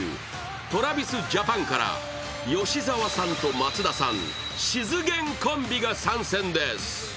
ＴｒａｖｉｓＪａｐａｎから吉澤さんと松田さんしずげんコンビが参戦です。